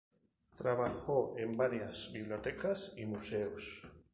Trabajó en varias bibliotecas y museos.